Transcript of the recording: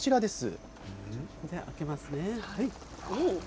開けますね。